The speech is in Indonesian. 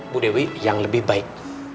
bu dewi yang lebih baik